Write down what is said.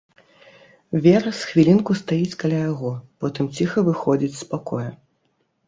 Вера з хвілінку стаіць каля яго, потым ціха выходзіць з пакоя.